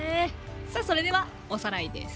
さあそれではおさらいです。